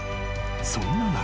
［そんな中］